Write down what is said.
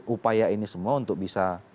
upaya ini semua untuk bisa